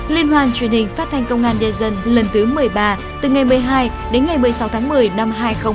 liên hoàn truyền hình phát thanh công an nhân dân lần thứ một mươi ba từ ngày một mươi hai đến ngày một mươi sáu tháng một mươi năm hai nghìn hai mươi ba